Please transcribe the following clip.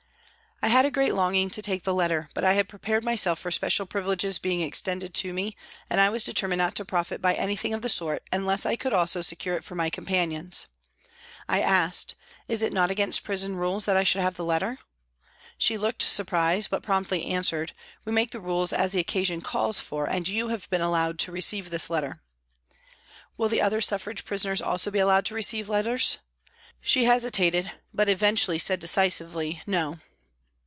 I had a great longing to take the letter, but I had prepared myself for special privileges being extended to me and I was determined not to profit by any thing of the sort unless I could also secure it for my companions. I asked :" Is it not against prison rules that I should have the letter ?" She looked surprised, but promptly answered, " We make the rules as the occasion calls for, and you have been allowed to receive this letter." " Will the other Suffrage prisoners also be allowed to receive letters ?" She hesitated, but eventually said decisively, " No."